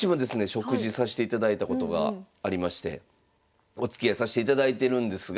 食事さしていただいたことがありましておつきあいさしていただいてるんですが。